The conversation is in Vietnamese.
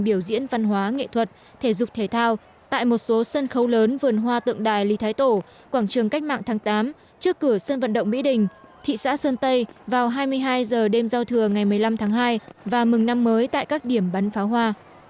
biểu diễn văn hóa nghệ thuật thể dục thể thao tại một số sân khấu lớn vườn hoa tượng đài lý thái tổ quảng trường cách mạng tháng tám trước cửa sân vận động mỹ đình thị xã sơn tây vào hai mươi hai h đêm giao thừa ngày một mươi năm tháng hai và mừng năm mới tại các điểm bắn pháo hoa